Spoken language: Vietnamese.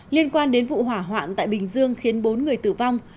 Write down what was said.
liên quan đến vụ hỏa hoạn tại bình dương khiến bốn người tử vong